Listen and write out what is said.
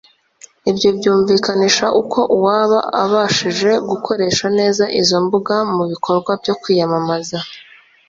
Ibyo byumvikanisha uko uwaba abashije gukoresha neza izo mbuga mu bikorwa byo kwiyamamaza